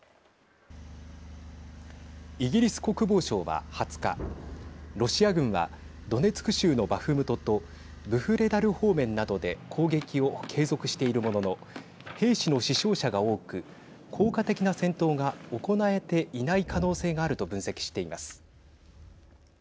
イギリス国防省は２０日ロシア軍はドネツク州のバフムトとブフレダル方面などで攻撃を継続しているものの兵士の死傷者が多く効果的な戦闘が行えていない可能性があると分析しています。